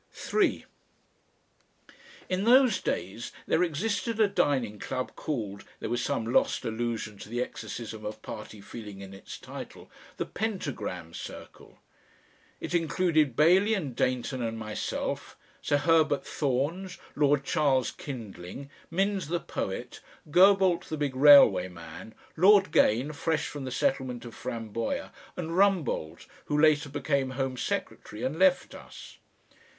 3 In those days there existed a dining club called there was some lost allusion to the exorcism of party feeling in its title the Pentagram Circle. It included Bailey and Dayton and myself, Sir Herbert Thorns, Lord Charles Kindling, Minns the poet, Gerbault the big railway man, Lord Gane, fresh from the settlement of Framboya, and Rumbold, who later became Home Secretary and left us.